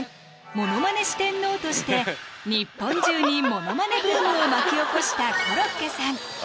ものまね四天王として日本中にものまねブームを巻き起こしたコロッケさん